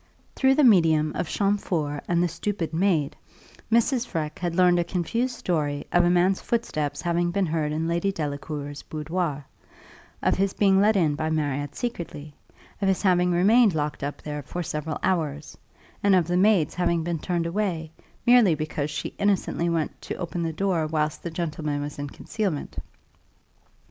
Through the medium of Champfort and the stupid maid, Mrs. Freke had learned a confused story of a man's footsteps having been heard in Lady Delacour's boudoir, of his being let in by Marriott secretly, of his having remained locked up there for several hours, and of the maid's having been turned away, merely because she innocently went to open the door whilst the gentleman was in concealment.